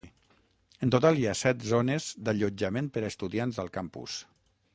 En total hi ha set zones d'allotjament per a estudiants al campus.